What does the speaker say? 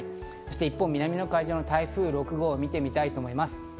一方、南の海上の台風６号を見てみたいと思います。